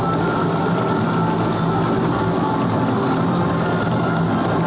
kami ingin meminta ketua umum dpp partai golkar